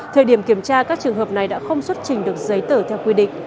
thời điểm kiểm tra các trường hợp này đã không xuất trình được giấy tờ theo quy định